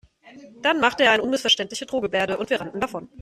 Dann machte er eine unmissverständliche Drohgebärde und wir rannten davon.